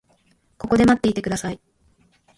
ここで待っていてください。